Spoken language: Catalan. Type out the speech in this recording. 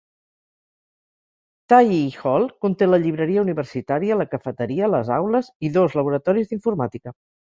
Tyee Hall conté la llibreria universitària, la cafeteria, les aules i dos laboratoris d'informàtica.